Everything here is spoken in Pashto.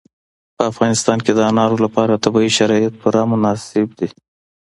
په افغانستان کې د انارو لپاره طبیعي شرایط پوره مناسب دي.